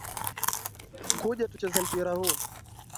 Kuja tucheze mpira huu.